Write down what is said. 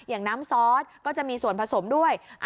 อย่างน้ำซอสก็จะมีส่วนผสมด้วย